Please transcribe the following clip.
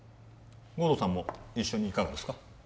護道さんも一緒にいかがですか？